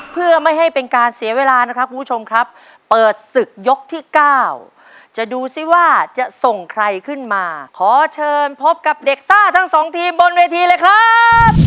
เพื่อไม่ให้เป็นการเสียเวลานะครับคุณผู้ชมครับเปิดศึกยกที่เก้าจะดูสิว่าจะส่งใครขึ้นมาขอเชิญพบกับเด็กซ่าทั้งสองทีมบนเวทีเลยครับ